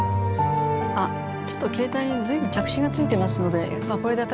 あっちょっと携帯に随分着信がついてますのでこれで私